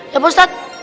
ya pak ustadz